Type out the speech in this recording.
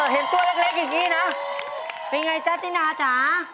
เห็นตัวเล็กอย่างนี้นะเป็นไงจ๊ะตินาจ๋า